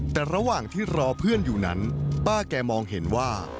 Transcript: แต่ระหว่างที่รอเพื่อนอยู่นั้นป้าแกมองเห็นว่า